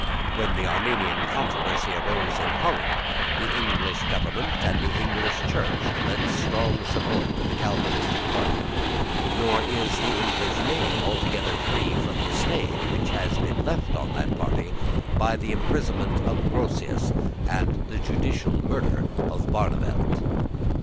When the Arminian controversy arose in Holland, the English government and the English Church lent strong support to the Calvinistic party; nor is the English name altogether free from the stain which has been left on that party by the imprisonment of Grocius and the judicial murder of Barneveldt.